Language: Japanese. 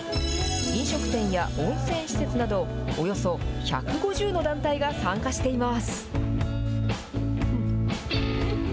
飲食店や温泉施設など、およそ１５０の団体が参加しています。